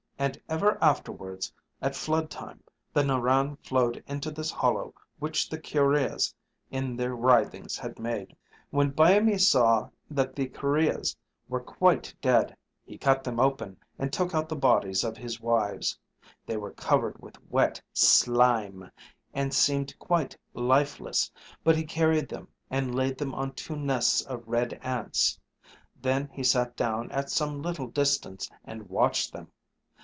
And ever afterwards at flood time, the Narran flowed into this hollow which the kurreahs in their writhings had made. When Byamee saw that the kurreahs were quite dead, he cut them open and took out the bodies of his wives. They were covered with wet slime, and seemed quite lifeless; but he carried them and laid them on two nests of red ants. Then he sat down at some little distance and watched them.